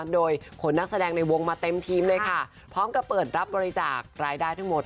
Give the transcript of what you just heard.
โดยขนนักแสดงในวงมาเต็มทีมเลยค่ะพร้อมกับเปิดรับบริจาครายได้ทั้งหมด